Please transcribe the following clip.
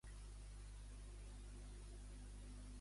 Quin efecte tenia sobre les ventalles de les terrasses?